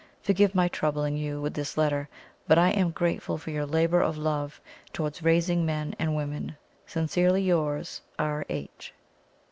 Forgive my troubling you with this letter, but I am grateful for your labour of love towards raising men and women. "Sincerely yours, "R. H."